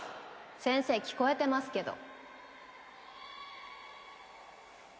先生聞こえてますけど。